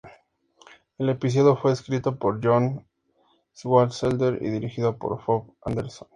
El episodio fue escrito por John Swartzwelder, y dirigido por Bob Anderson.